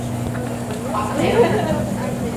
Akrep!